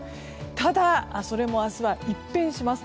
ただ、それも明日は一変します。